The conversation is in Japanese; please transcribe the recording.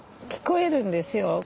聞こえるんですよ